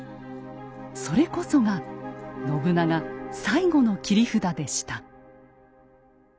それこそが信長最後の切り札でした。